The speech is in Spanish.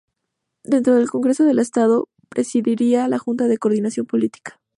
Dentro del Congreso del Estado presidiría la Junta de Coordinación Política.